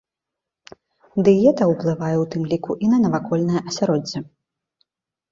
Дыета ўплывае ў тым ліку і на навакольнае асяроддзе.